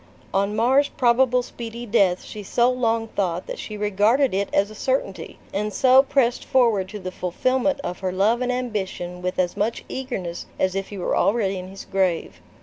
On Mar's probable speedy death she so long thought that she regarded it as a certainty, and so pressed forward to the fulfillment of her love and ambition with as much eagerness as if he were already in his grave.